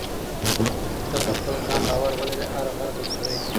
که ته په خپل ځان باور ولرې، هر غر به سوري کړې.